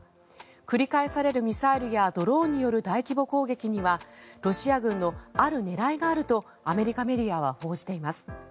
繰り返されるミサイルやドローンによる大規模攻撃にはロシア軍のある狙いがあるとアメリカメディアは報じています。